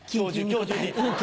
今日中に。